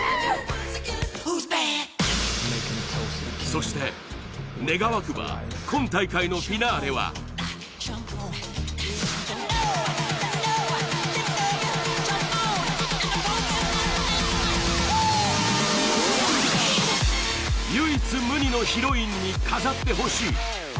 そして願わくば、今大会のフィナーレは唯一無二のヒロインに飾ってほしい。